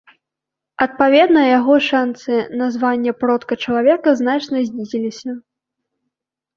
Адпаведна яго шанцы на званне продка чалавека значна знізіліся.